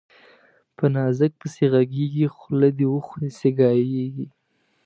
په نازک پسي ږغېږي، خولې ده وخوري سي ګايږي